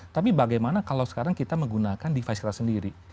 tapi bagaimana kalau sekarang kita menggunakan device kita sendiri